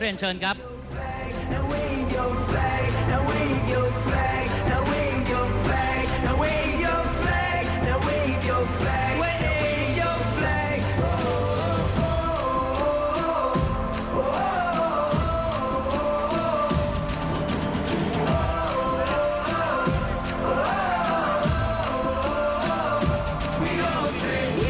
ท่านแรกครับจันทรุ่ม